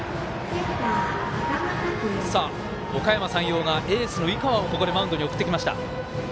おかやま山陽がエースの井川をここでマウンドに送ってきました。